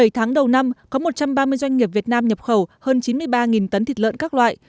bảy tháng đầu năm có một trăm ba mươi doanh nghiệp việt nam nhập khẩu hơn chín mươi ba tấn thịt lợn các loại